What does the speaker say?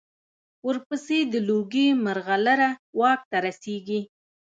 ورپسې د لوګي مرغلره واک ته رسېږي.